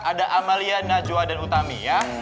ada amalia najwa dan utami ya